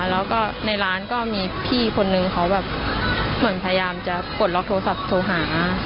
แล้วก็ในร้านก็มีพี่คนนึงเขาแบบเหมือนพยายามจะปลดล็อกโทรศัพท์โทรหา